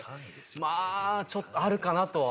まぁちょっとあるかなとは。